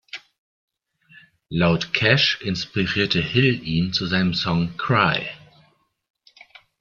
Laut Cash inspirierte Hill ihn zu seinem Song "Cry!